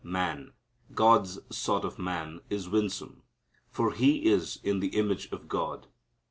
Man, God's sort of man, is winsome, for he is in the image of God.